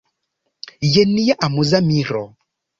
Je nia amuza miro!